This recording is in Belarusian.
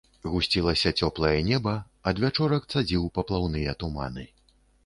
Гусцілася цёплае неба, адвячорак цадзіў паплаўныя туманы.